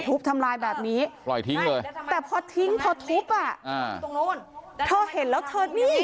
คุณปุ้ยอายุ๓๒นางความร้องไห้พูดคนเดี๋ยว